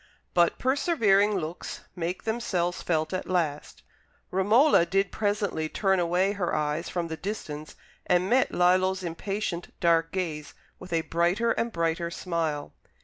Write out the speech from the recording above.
But persevering looks make themselves felt at last. Romola did presently turn away her eyes from the distance and met Lillo's impatient dark gaze with a brighter and brighter smile.